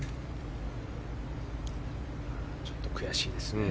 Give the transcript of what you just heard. ちょっと悔しいですね。